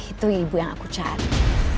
itu ibu yang aku cari